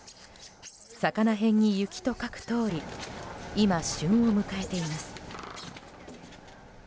魚へんに雪と書くとおり今、旬を迎えています。